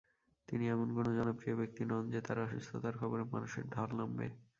তিনি এমন কোনো জনপ্রিয় ব্যক্তি নন যে তাঁর অসুস্থতার খবরে মানুষের ঢল নামবে।